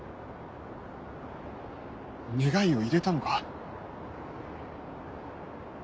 願いを入れたのか？